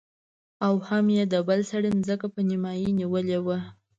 او هم يې د بل سړي ځمکه په نيمايي نيولې وه.